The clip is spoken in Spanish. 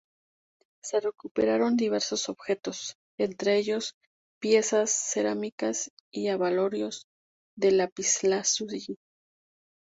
Se recuperaron diversos objetos, entre ellos, piezas cerámicas y abalorios de lapislázuli.